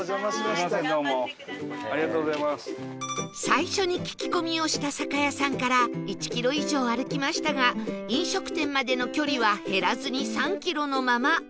最初に聞き込みをした酒屋さんから１キロ以上歩きましたが飲食店までの距離は減らずに３キロのまま